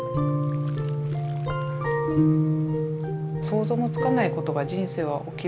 想像もつかないことが人生は起きる。